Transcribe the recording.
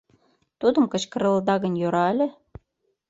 — Тудым кычкыралыда гын, йӧра ыле.